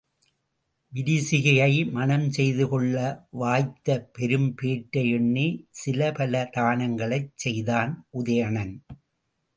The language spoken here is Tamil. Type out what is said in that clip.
விரிசிகையை மணம் செய்துகொள்ள வாய்த்த பெரும் பேற்றை எண்ணிச் சில பல தானங்களைச் செய்தான் உதயணன்.